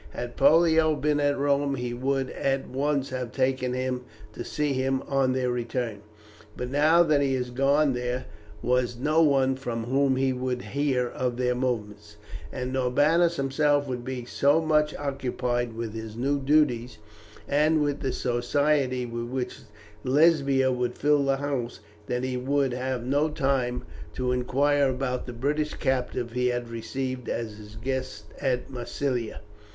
Had Pollio been at Rome he would at once have taken him to see them on their return, but now that he had gone there was no one from whom he would hear of their movements, and Norbanus himself would be so much occupied with his new duties, and with the society with which Lesbia would fill the house, that he would have no time to inquire about the British captive he had received as his guest at Massilia.